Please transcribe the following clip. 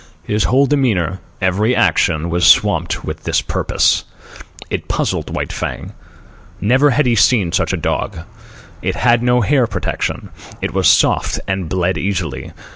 His whole demeanour, every action, was stamped with this purpose. It puzzled White Fang. Never had he seen such a dog. It had no hair protection. It was soft, and bled easily.